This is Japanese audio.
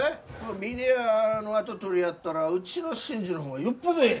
峰屋の跡取りやったらうちの伸治の方がよっぽどえい！